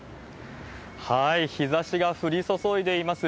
日ざしが降り注いでいます。